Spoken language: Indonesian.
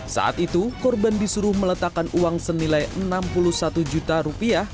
saat itu korban disuruh meletakkan uang senilai enam puluh satu juta rupiah